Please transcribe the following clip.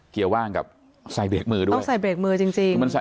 เกี่ยวว่างกับใส่เบรกมือด้วยใส่เบรกมือจริงจริง